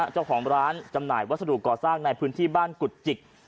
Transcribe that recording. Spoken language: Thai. เจ้าของร้านจำหน่ายวัสดุก่อสร้างในพื้นที่บ้านกุฎจิก